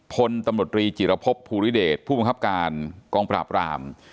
พลตำรวจรีจิรพบภูริเดชผู้บังคับการกองปราบราม